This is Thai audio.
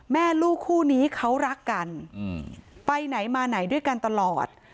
แม่ลูกคู่นี้เขารักกันไปไหนมาไหนด้วยกันตลอด